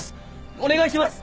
お願いします！